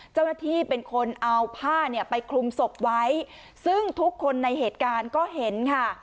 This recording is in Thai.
เจ้าหน้าที่เป็นคนเอาผ้าเนี่ยไปคลุมศพไว้ซึ่งทุกคนในเหตุการณ์ก็เห็นค่ะ